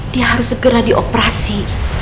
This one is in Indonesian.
dia harus segera dioperasi